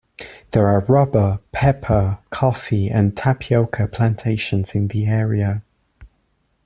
There are rubber, pepper, coffee, and tapioca plantations in the area.